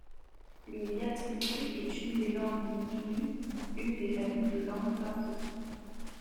Le iatmul est une des langues ndu, une des familles de langues papoues.